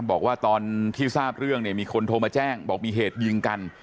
บอกว่าตอนที่ทราบเรื่องเนี่ยมีคนโทรมาแจ้งบอกมีเหตุยิงกัน